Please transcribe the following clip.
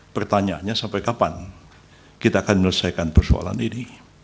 pertanyaannya sampai kapan kita akan menyelesaikan persoalan ini